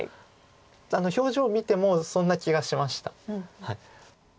表情見てもそんな気がしました。